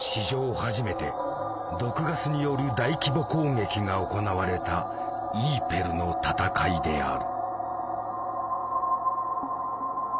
初めて毒ガスによる大規模攻撃が行われた「イーペルの戦い」である。